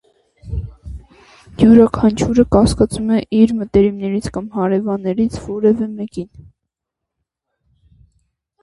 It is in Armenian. Յուրաքանչյուրը կասկածում է իր մտերիմներից կամ հարևաններից որևէ մեկին։